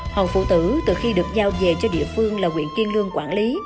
hòn phụ tử từ khi được giao về cho địa phương là nguyện kiên lương quản lý